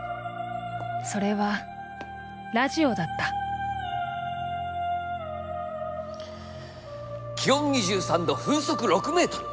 それはラジオだった気温２３度風速６メートル。